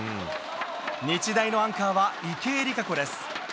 日大のアンカーは池江璃花子です。